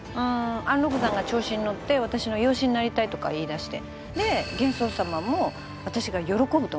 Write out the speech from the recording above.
安禄山が調子に乗って私の養子になりたいとか言いだしてで玄宗様も私が喜ぶと思ったみたいね。